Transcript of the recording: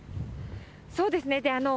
そうですね。